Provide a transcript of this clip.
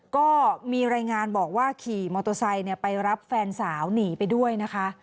ก็มีรายงานบอกว่าขี่มอเตอร์ไซค์ไปรับแฟนสาวหนีไปด้วยนะคะ